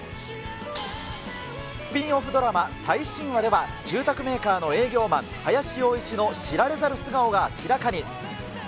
スピンオフドラマ最新話では、住宅メーカーの営業マン、林洋一の知られざる素顔が明らかに。